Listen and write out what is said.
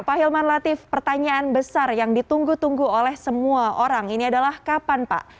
pak hilman latif pertanyaan besar yang ditunggu tunggu oleh semua orang ini adalah kapan pak